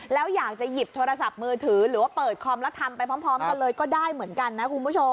แล้วอยากจะหยิบโทรศัพท์มือถือหรือว่าเปิดคอมแล้วทำไปพร้อมกันเลยก็ได้เหมือนกันนะคุณผู้ชม